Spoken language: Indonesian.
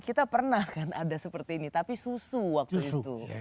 kita pernah kan ada seperti ini tapi susu waktu itu